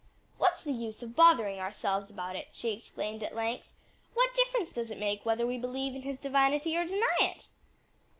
"What's the use of bothering ourselves about it?" she exclaimed at length, "what difference does it make whether we believe in his divinity or deny it?"